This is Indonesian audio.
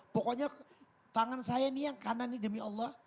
pokoknya tangan saya nih yang kanan nih demi allah